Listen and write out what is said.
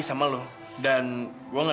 aku mau pergi